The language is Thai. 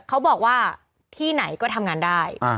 เขาบอกว่าที่ไหนก็ทำงานได้